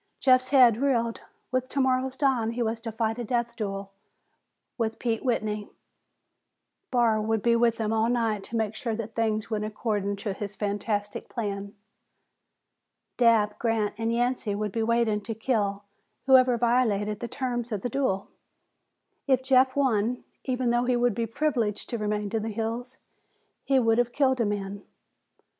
Jeff's head reeled. With tomorrow's dawn, he was to fight a death duel with Pete Whitney. Barr would be with them all night to make sure that things went according to his fantastic plan. Dabb, Grant and Yancey would be waiting to kill whoever violated the terms of the duel. If Jeff won, even though he would be privileged to remain in the hills, he would have killed a man.